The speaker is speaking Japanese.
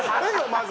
まず。